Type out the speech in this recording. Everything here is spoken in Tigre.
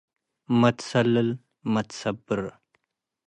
መትሰልል መትሰብር።